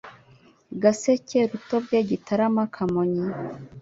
Gaseke Rutobwe Gitarama Kamonyi